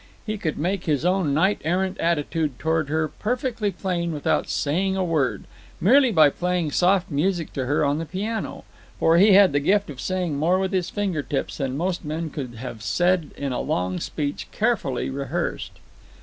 He could make his own knight errant attitude toward her perfectly plain without saying a word, merely by playing soft music to her on the piano; for he had the gift of saying more with his finger tips than most men could have said in a long speech carefully rehearsed.